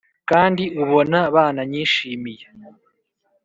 kandi ubona bananyishimiye